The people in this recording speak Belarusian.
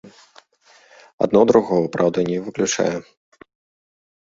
Адно другога, праўда, не выключае.